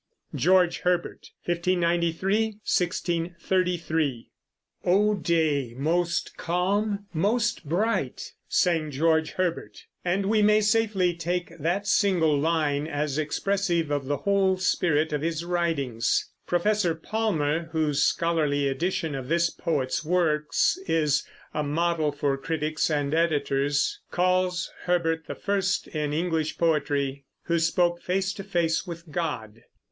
GEORGE HERBERT (1593 1633) "O day most calm, most bright," sang George Herbert, and we may safely take that single line as expressive of the whole spirit of his writings. Professor Palmer, whose scholarly edition of this poet's works is a model for critics and editors, calls Herbert the first in English poetry who spoke face to face with God.